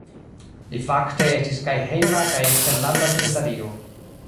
Li fakte estis kaj Hejma kaj Eksterlanda Sekretario.